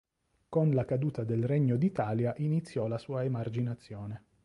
Con la caduta del Regno d'Italia iniziò la sua emarginazione.